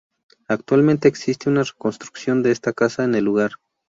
Actualmente existe una reconstrucción de esta casa en el lugar.